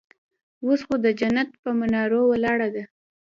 اوس خو د جنت پهٔ منارو ولاړه ده